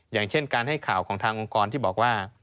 อย่างเช่นการให้ข่าวของทางองค์กรที่บอกว่า